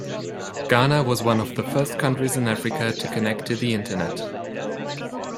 Ghana was one of the first countries in Africa to connect to the Internet.